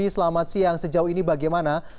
selamat siang alfian